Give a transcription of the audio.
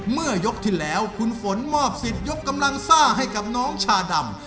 เมื่อยกที่แล้วคุณฝนมอบสิทธิ์ยกกำลังซ่าให้กับน้องชาดำ